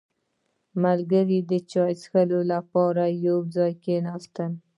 • ملګري د چای څښلو لپاره یو ځای کښېناستل.